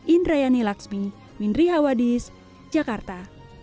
indrayani laxmi mindri hawadis jakarta